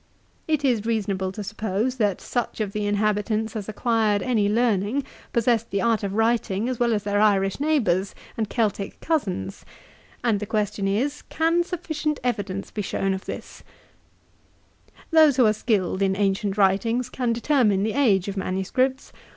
It is reasonable to suppose, that such of the inhabitants as acquired any learning, possessed the art of writing as well as their Irish neighbours, and Celtick cousins; and the question is, can sufficient evidence be shewn of this? 'Those who are skilled in ancient writings can determine the age of MSS.